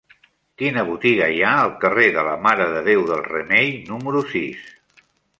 Quina botiga hi ha al carrer de la Mare de Déu del Remei número sis?